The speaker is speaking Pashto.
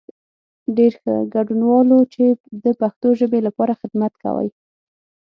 ډېر ښه، ګډنوالو چې د پښتو ژبې لپاره خدمت کوئ.